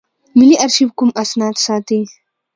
ملي آرشیف کوم اسناد ساتي؟